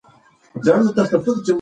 ایا په بله سیاره کې انسانان اوسېدای شي؟